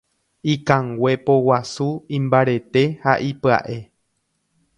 Ikangue poguasu imbarete ha ipyaʼe.